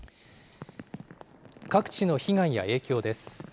各地の被害や影響です。